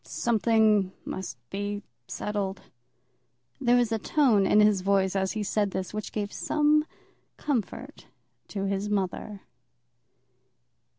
Something must be settled." There was a tone in his voice as he said this which gave some comfort to his mother.